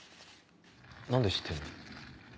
何で知ってるの？